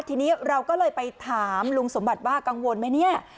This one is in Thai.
ทีนี้เราก็เลยไปถามลุงสมบัติว่ากังวลไหมเนี่ย